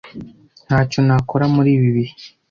Ntacyo nakora muri ibi bihe